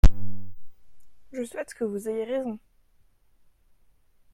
Je souhaite que vous ayez raison.